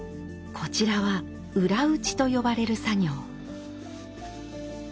こちらは裏打ちと呼ばれる作業。